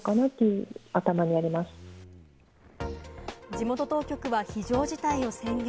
地元当局は非常事態を宣言。